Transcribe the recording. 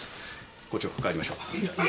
校長帰りましょう。